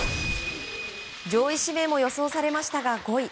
上位指名も予想されましたが、５位。